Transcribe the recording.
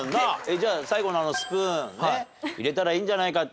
じゃあ最後のあのスプーンね入れたらいいんじゃないか。